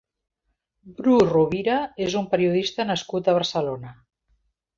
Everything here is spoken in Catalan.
Bru Rovira és un periodista nascut a Barcelona.